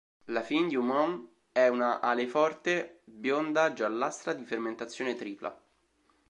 La Fin du Monde è una ale forte, bionda giallastra di fermentazione tripla.